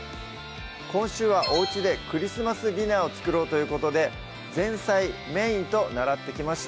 今週はおうちでクリスマスディナーを作ろうということで前菜・メインと習ってきました